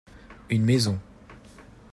Une maison.